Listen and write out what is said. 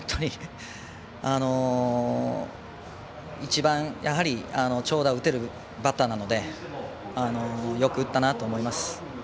やはり一番、長打を打てるバッターなのでよく打ったなと思います。